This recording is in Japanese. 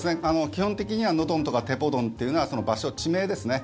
基本的にはノドンとかテポドンというのは場所、地名ですね。